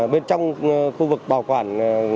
bên trong khu vực bảo quản